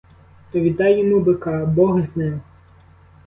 То віддай йому бика, бог з ним!